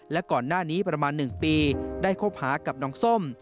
และก่อนหน้านี้ประมาณ๑ปีได้คบหากับน้องส้ม